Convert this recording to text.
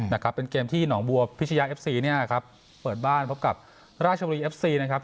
นะครับเป็นเกมที่หนองบัวพิชยาเอฟซีเนี่ยครับเปิดบ้านพบกับราชบุรีเอฟซีนะครับ